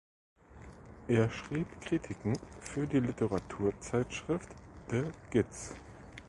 Er schrieb Kritiken für die Literaturzeitschrift "De Gids".